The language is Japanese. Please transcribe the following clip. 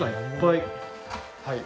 はい。